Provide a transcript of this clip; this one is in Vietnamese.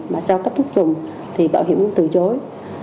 mà cho cấp thuốc chùng thì bảo hiểm cũng từ chối